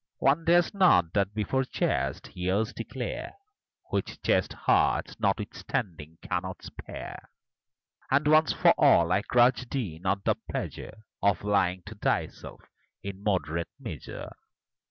One dares not that before chaste ears declare, Which chaste hearts, notwithstanding, cannot spare; And, once for all, I grudge thee not the pleasure Of lying to thyself in moderate measure.